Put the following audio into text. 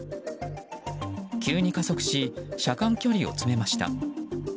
急に加速し車間距離を詰めました。